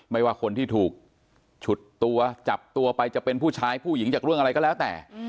ว่าคนที่ถูกฉุดตัวจับตัวไปจะเป็นผู้ชายผู้หญิงจากเรื่องอะไรก็แล้วแต่